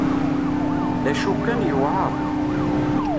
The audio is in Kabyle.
D acu kan, yewεer.